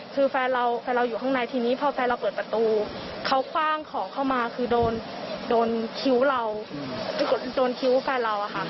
คือแฟนเราแฟนเราอยู่ข้างในทีนี้พอแฟนเราเปิดประตูเขาคว่างของเข้ามาคือโดนคิ้วเราไปกดโดนคิ้วแฟนเราอะค่ะ